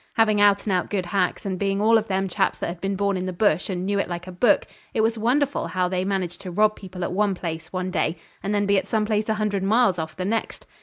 Having out and out good hacks, and being all of them chaps that had been born in the bush and knew it like a book, it was wonderful how they managed to rob people at one place one day, and then be at some place a hundred miles off the next.